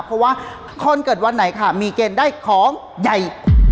เพราะว่าคนเกิดวันไหนค่ะมีเกณฑ์ได้ของใหญ่